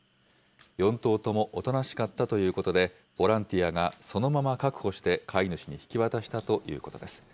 ４頭ともおとなしかったということで、ボランティアがそのまま確保して、飼い主に引き渡したということです。